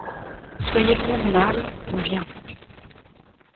Soyez convenable, on vient.